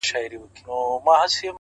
o سیاه پوسي ده ـ دا دی لا خاندي ـ